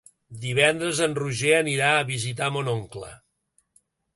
Divendres en Roger anirà a visitar mon oncle.